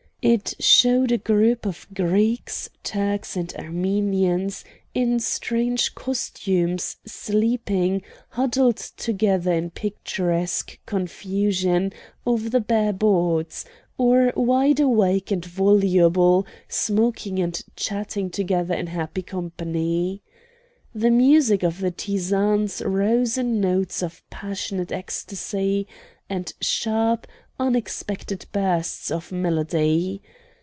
It showed a group of Greeks, Turks, and Armenians, in strange costumes, sleeping, huddled together in picturesque confusion over the bare boards, or wide awake and voluble, smoking and chatting together in happy company. The music of the tizanes rose in notes of passionate ecstasy and sharp, unexpected bursts of melody.